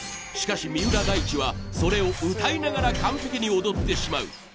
しかし三浦大知はそれを歌いながら完璧に踊ってしまう。